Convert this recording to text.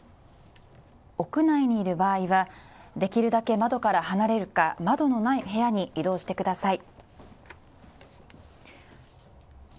屋内にいる場合は、できるだけ窓から離れるか窓のない部屋に移動してください。